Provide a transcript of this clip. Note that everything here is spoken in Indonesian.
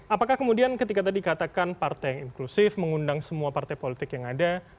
apakah kemudian ketika tadi katakan partai yang inklusif mengundang semua partai politik yang ada